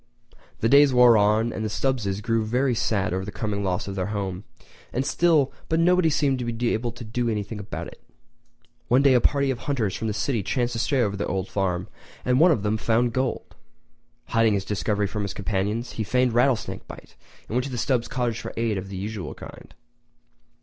The days wore on, and the Stubbses grew very sad over the coming loss of their home and still but nobody seemed able to do anything about it. One day a party of hunters from the city chanced to stray over the old farm, and one of them found the gold!! Hiding his discovery from his companions, he feigned rattlesnake bite and went to the Stubbs' cottage for aid of the usual kind.